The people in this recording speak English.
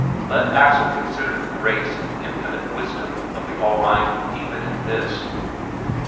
Let Axel consider the grace and infinite wisdom of the Almighty even in this!